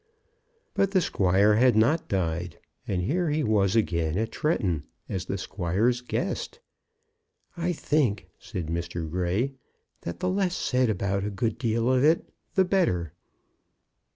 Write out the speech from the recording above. But the squire had not died, and here he was again at Tretton as the squire's guest. "I think," said Mr. Grey, "that the less said about a good deal of it the better."